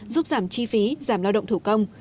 giúp giảm chi phí giảm lao động thủ công